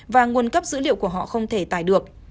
và nguồn cấp dữ liệu của họ không thể tải được